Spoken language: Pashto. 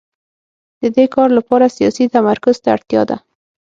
د دې کار لپاره سیاسي تمرکز ته اړتیا ده.